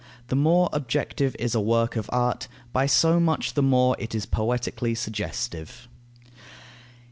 The more objective is a work of art, by so much the more is it poetically suggestive.